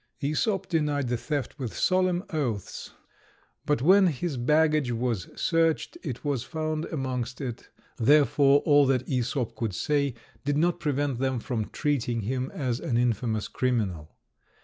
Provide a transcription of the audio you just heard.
Æsop denied the theft with solemn oaths, but when his baggage was searched it was found amongst it; therefore, all that Æsop could say did not prevent them from treating him as an infamous criminal.